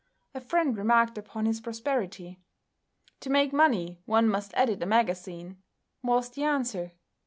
A friend remarked upon his prosperity. "To make money one must edit a magazine," was the answer.